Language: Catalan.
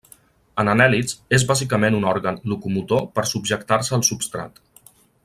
En anèl·lids, és bàsicament un òrgan locomotor per subjectar-se al substrat.